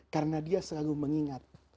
karena dia selalu mengingat